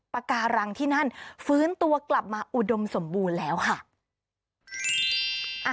ปากการังที่นั่นฟื้นตัวกลับมาอุดมสมบูรณ์แล้วค่ะ